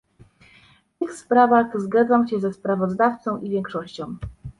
W tych sprawach zgadzam się ze sprawozdawcą i większością